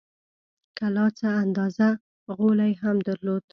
کلا څه اندازه غولی هم درلود.